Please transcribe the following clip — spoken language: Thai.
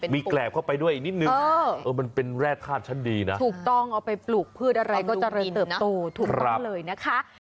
มีแกรบเข้าไปด้วยอีกนิดนึงมันเป็นแร่ธาตุชั้นดีนะถูกต้องเอาไปปลูกพืชอะไรก็เจริญเติบโตถูกต้องเลยนะคะ